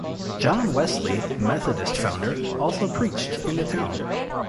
John Wesley, Methodist founder, also preached in the town.